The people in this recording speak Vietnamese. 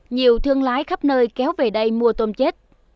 nhiều thương lái khắp nơi kéo về đây mua tôm chết